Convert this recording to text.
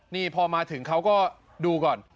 นี่พอมาถึงเขาก็ดูก่อน